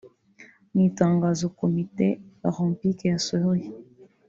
Mu itangazo Komite Olempiki yasohoye